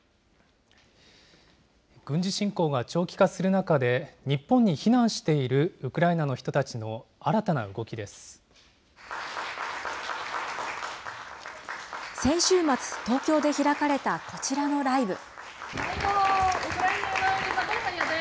軍事侵攻が長期化する中で、日本に避難しているウクライナの先週末、東京で開かれたこちらのライブ。